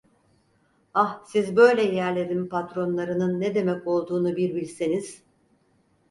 Ah, siz böyle yerlerin patronlarının ne demek olduğunu bir bilseniz!